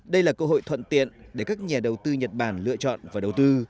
đây là cơ hội thuận tiện để các nhà đầu tư nhật bản lựa chọn và đầu tư